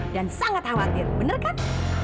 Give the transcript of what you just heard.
dan sangat khawatir bener kan